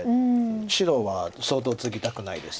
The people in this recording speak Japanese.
白は相当ツギたくないです。